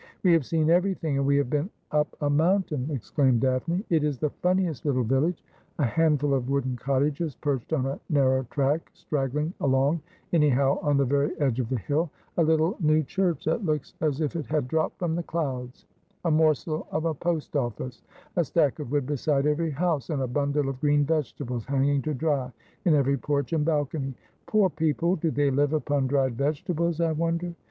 ' We have seen everything, and we have been up a moun tain,' exclaimed Daphne. ' It is the funniest little village — a handful of wooden cottages perched on a narrow track strag gling along anyhow on the very edge of the hill ; a little new church that looks as if it had dropped from the clouds ; a morsel of a post office ; a stack of wood beside every house ; and a bundle of green vegetables hanging to dry in every porch and balcony. Poor people, do they live upon dried vegetables, I wonder